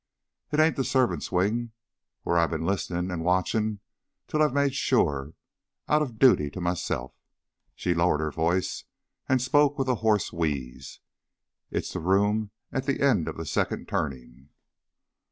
"It ain't the servants' wing where I've been listenin' and watchin' till I've made sure out of dooty to myself." She lowered her voice and spoke with a hoarse wheeze. "It's the room at the end of the second turning."